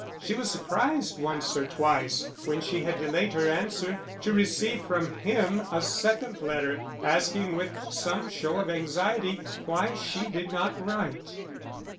She was surprised once or twice, when she had delayed her answer, to receive from him a second letter, asking with some show of anxiety why she did not write.